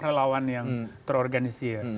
relawan yang terorganisir